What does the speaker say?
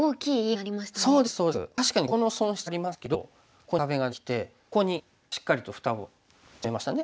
まあ確かにここの損失はありますけどここに壁ができてここにしっかりとふたを閉めましたね。